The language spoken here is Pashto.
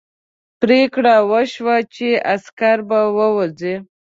پرېکړه وشوه چې عسکر به ووځي.